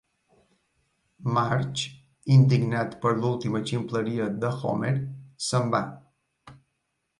Marge, indignat per l'última ximpleria de Homer, se'n va.